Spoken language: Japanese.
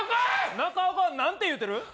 中岡は何て言うてる？